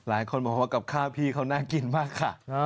หลายคนบอกว่ากับข้าวพี่เขาน่ากินมากค่ะ